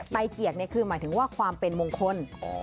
เกียรติคือหมายถึงว่าความเป็นมงคล